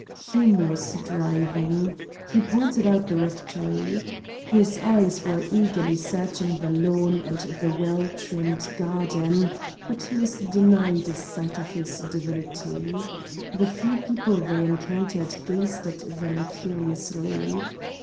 Hume was driving. He pointed out the rectory. His eyes were eagerly searching the lawn and the well trimmed garden, but he was denied a sight of his divinity. The few people they encountered gazed at them curiously.